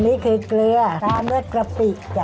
อันนี้คือเกลือซ้าเนื้อกละปิกจ้ะ